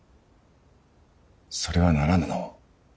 それはならぬのう。